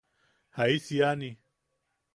¡Jaisiʼani!